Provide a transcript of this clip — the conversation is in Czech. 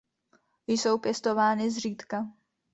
Jsou pěstovány zřídka.